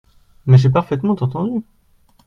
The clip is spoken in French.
Mais j’ai parfaitement entendu.